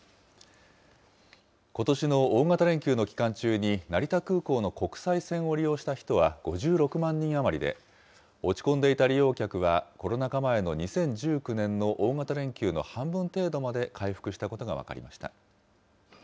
ことしの大型連休の期間中に、成田空港の国際線を利用した人は５６万人余りで、落ち込んでいた利用客はコロナ禍前の２０１９年の大型連休の半分程度まで回復したことが分かりました。